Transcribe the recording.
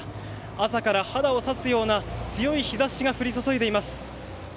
朝から肌を刺すような強い日差しが降り注いでいます。